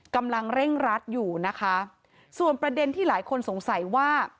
กำลังเร่งรัดอยู่นะคะส่วนประเด็นที่หลายคนสงสัยว่า